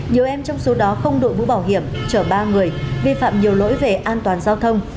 nhiều em trong số đó không đội mũ bảo hiểm chở ba người vi phạm nhiều lỗi về an toàn giao thông